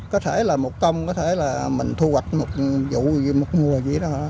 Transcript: có thể là một tông có thể là mình thu hoạch một vụ một mùa gì đó